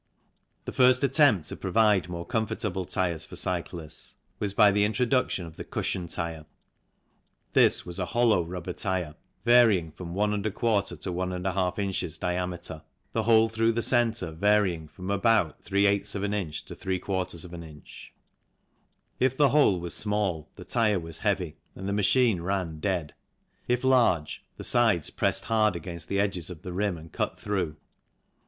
The first attempt to provide more comfortable tyres for cyclists was by the introduction of the cushion tyre. This was a hollow rubber tyre varying from 1J to 1J ins. diameter, the hole through the centre varying from about | in. to f in. If the hole was small the tyre was heavy and the machine ran " dead "; if large, the sides pressed hard against the edges of the rim and cut through.